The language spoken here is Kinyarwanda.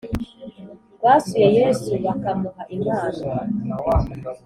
Basuye yesu bakamuha impano